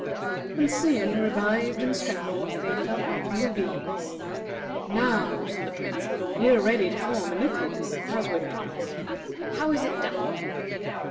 And soon, revived and strengthened, they felt like new beings. "Now," said the Prince, "we are ready to form a nucleus, as we promised. How is it done?"